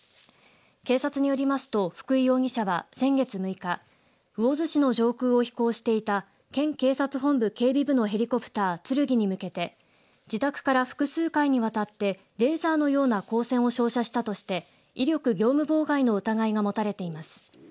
警察によりますと福井容疑者は先月６日魚津市の上空を飛行していた県警察本部警備部のヘリコプターつるぎに向けて自宅から複数回にわたってレーザーのような光線を照射したとして威力業務妨害の疑いが持たれています。